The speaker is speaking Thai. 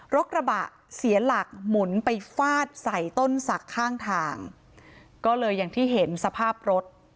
รถกระบะเสียหลักหมุนไปฟาดใส่ต้นศักดิ์ข้างทางก็เลยอย่างที่เห็นสภาพรถ